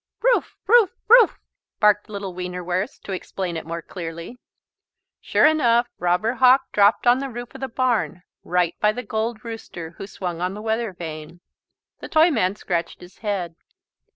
"Roof, roof, roof!" barked little Wienerwurst to explain it more clearly. Sure enough, Robber Hawk dropped on the roof of the barn, right by the Gold Rooster who swung on the weather vane. The Toyman scratched his head.